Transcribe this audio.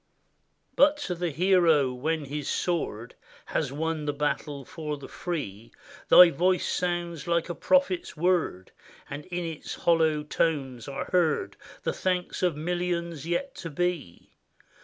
But to the hero, when his sword Has won the battle for the free, Thy voice sounds like a prophet's word; And in its hollow tones are heard The thanks of millions yet to be.